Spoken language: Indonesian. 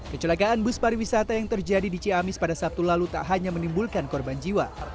kecelakaan bus pariwisata yang terjadi di ciamis pada sabtu lalu tak hanya menimbulkan korban jiwa